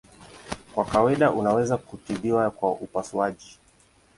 Kwa kawaida unaweza kutibiwa kwa upasuaji.